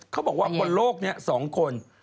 เค้าบอกว่าบนโลกเนี่ย๒คน